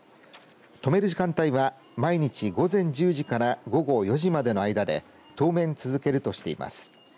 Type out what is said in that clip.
止める時間帯は毎日午前１０時から午後４時までの間で当面続けるとしています。